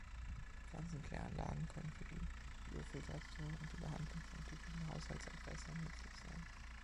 Pflanzenkläranlagen können für die Biofiltration und die Behandlung von typischen Haushaltsabwässern nützlich sein.